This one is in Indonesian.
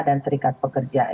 dan serikat pekerja